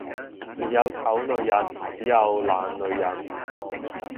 沒有醜女人，只有懶女人